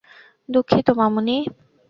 দুঃখিত, মামুনি।